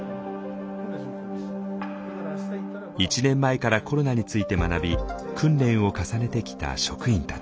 １年前からコロナについて学び訓練を重ねてきた職員たち。